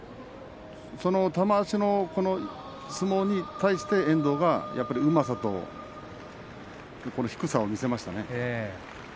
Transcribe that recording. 玉鷲のこの相撲に対して遠藤がうまさと低さを見せましたね。